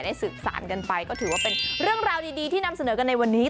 สืบสารกันไปก็ถือว่าเป็นเรื่องราวดีที่นำเสนอกันในวันนี้